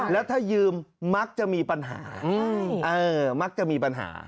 แล้วถ้ายืมมักจะมีปัญหามักจะมีปัญหา